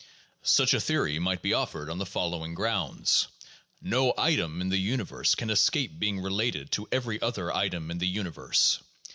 Such a theory might be offered on the following grounds. No item in the universe can escape being related to every other item in the universe.